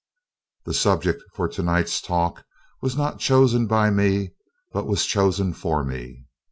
The subject for tonight's talk was not chosen by me but was chosen for me.